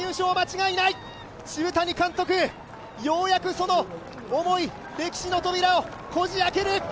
澁谷監督、ようやくその思い、歴史の扉をこじ開ける。